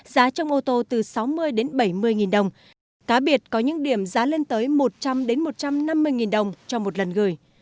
giá trong ô tô từ sáu mươi đến bảy mươi nghìn đồng cá biệt có những điểm giá lên tới một trăm linh một trăm năm mươi đồng cho một lần gửi